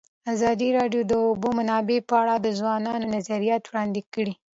ازادي راډیو د د اوبو منابع په اړه د ځوانانو نظریات وړاندې کړي.